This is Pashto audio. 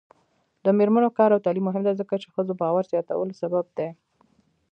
د میرمنو کار او تعلیم مهم دی ځکه چې ښځو باور زیاتولو سبب دی.